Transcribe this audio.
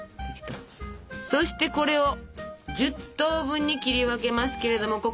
そしてこれを１０等分に切り分けますけれども。